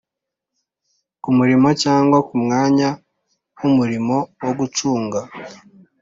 ku murimo cyangwa ku mwanya w’umurimo wo gucunga